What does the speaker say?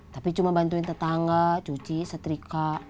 tapi cuma bantuin tetangga cuci setrika